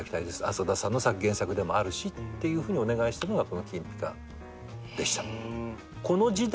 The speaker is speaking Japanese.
浅田さんの原作でもあるしっていうふうにお願いしたのがこの『きんぴか』でした。